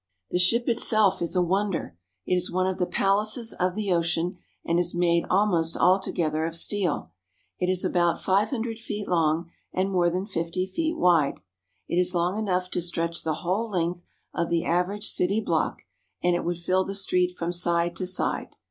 The ship itself is a wonder. It is one of the palaces of the ocean, and is made almost altogether of steel. It is about five hundred feet long, and more than fifty feet wide. It is long enough to stretch the whole length of the aver age city block ; and it would fill the street from side to side.